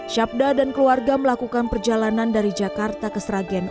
syabda dan keluarga melakukan perjalanan dari jakarta ke sragen